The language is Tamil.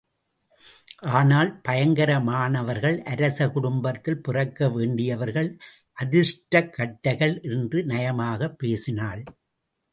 ஆனால் பயங்கர மானவர்கள் அரச குடும்பத்தில் பிறக்க வேண்டியவர்கள் அதிருஷ்டக்கட்டைகள் என்று நயமாகப் பேசினாள்.